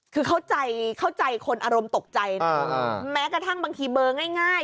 คือเข้าใจเข้าใจคนอารมณ์ตกใจนะแม้กระทั่งบางทีเบอร์ง่าย